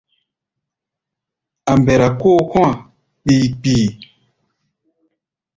A̧ mbɛra kóo kɔ̧́-a̧ kpii-kpii.